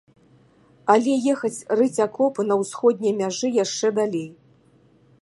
Але ехаць рыць акопы на ўсходняй мяжы яшчэ далей.